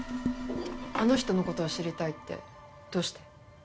あの人の事を知りたいってどうして？